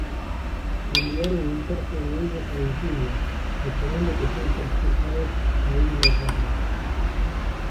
Enviaron un tercio de ellos a Virginia, esperando que sean transportados a Inglaterra.